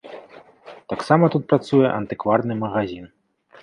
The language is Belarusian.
Таксама тут працуе антыкварны магазін.